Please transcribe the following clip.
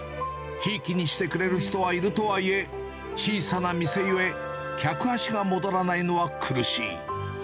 ひいきにしてくれる人はいるとはいえ、小さな店ゆえ、客足が戻らないのは苦しい。